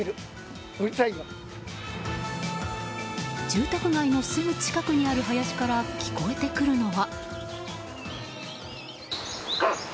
住宅街のすぐ近くにある林から聞こえてくるのは。